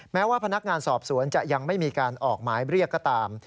แม้ว่าพนักงานสอบสวนจะยังไม่มีการออกหมายเรียกก็ตาม